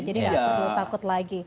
jadi gak perlu takut lagi